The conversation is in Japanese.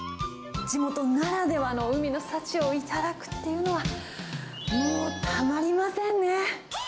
地元ならではの海の幸を頂くっていうのは、もう、たまりませんね。